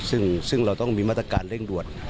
ซึ่งเราต้องมีมาตรการเร่งด่วน